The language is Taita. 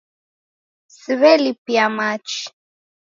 Siw'elipia machi